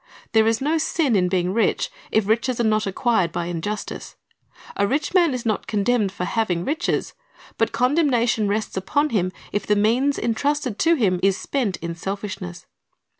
There is no sin in being rich, if riches are not acquired by injustice. A rich man is not condemned for having riches; but condemnation rests upon him if the means entrusted to him is spent in selfishness.